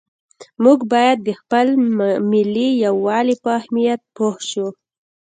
موږ باید د خپل ملي یووالي په اهمیت پوه شو.